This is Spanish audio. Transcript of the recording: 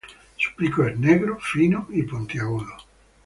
Su pico es negro, fino y puntiagudo.